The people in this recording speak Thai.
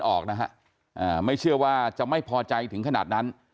ออกนะฮะไม่เชื่อว่าจะไม่พอใจถึงขนาดนั้น